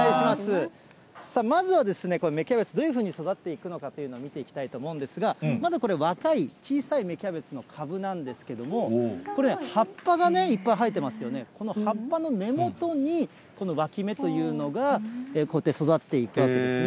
まずはこの芽キャベツ、どういう風に育っていくのかというのを見ていきたいと思うんですが、まだこれ、若い、小さい芽キャベツの株なんですけれども、いっぱい生えてますよね、この葉っぱの根元に、このわき芽というのがこうやって育っていくわけですね。